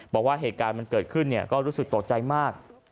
บอกว่าเหตุการณ์มันเกิดขึ้นก็รู้สึกตกใจมาก